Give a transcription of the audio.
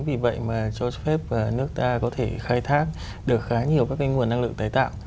vậy mà cho phép nước ta có thể khai thác được khá nhiều các nguồn năng lượng tái tạo